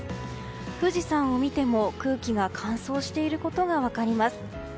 富士山を見ても、空気が乾燥していることが分かります。